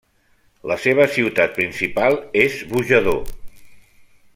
La seva ciutat principal és Bojador.